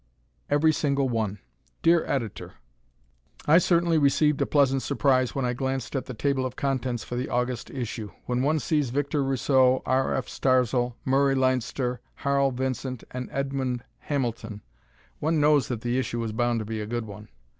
Every Single One Dear Editor: I certainly received a pleasant surprise when I glanced at the table of contents for the August issue. When one sees Victor Rousseau, R. F. Starzl, Murray Leinster, Harl Vincent, and Edmond Hamilton, one knows that the issue is bound to be a good one.